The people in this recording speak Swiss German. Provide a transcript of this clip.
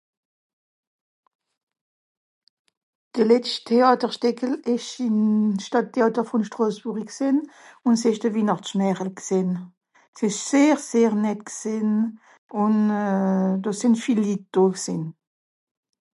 De letscht Teàterstìckel ìsch ìm Stàdtteàter vùn Strosbùrri gsìnn, ùn s'ìsch de Wihnàchtsmärel gsìnn. S'ìsch sehr sehr nett gsìnn ùn euh... do sìnn viel Litt do gsìnn.